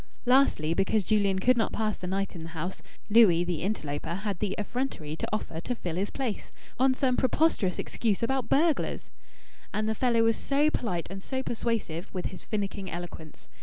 Lastly, because Julian could not pass the night in the house, Louis, the interloper, had the effrontery to offer to fill his place on some preposterous excuse about burglars! And the fellow was so polite and so persuasive, with his finicking eloquence.